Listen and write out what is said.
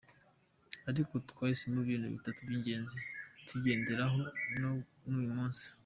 Ariko twahisemo ibintu bitatu by’ingenzi tugenderaho na n’uyu munsi.